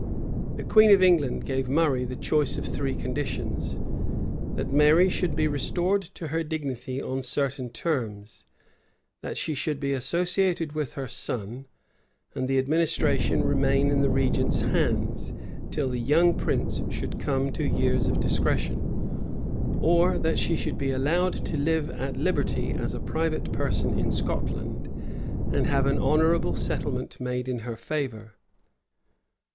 The queen of England gave Murray the choice of three conditions; that Mary should be restored to her dignity on certain terms; that she should be associated with her son, and the administration remain in the regent's hands, till the young prince should come to years of discretion; or that she should be allowed to live at liberty as a private person in Scotland, and have an honorable settlement made in her favor.